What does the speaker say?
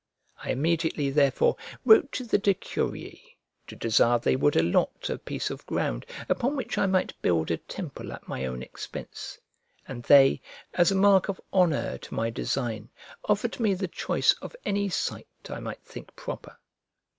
I immediately, therefore, wrote to the decurii, to desire they would allot a piece of ground, upon which I might build a temple at my own expense; and they, as a mark of honour to my design, offered me the choice of any site I might think proper.